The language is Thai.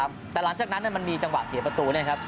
แต่หลังจากนั้นมันมีจังหวะเสียประตูเนี่ยครับ